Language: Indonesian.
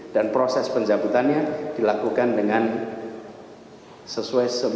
dan proses pencabutannya dilakukan dengan sesuai sifat